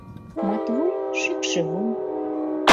— Матвуй, шӱкшӧ вуй!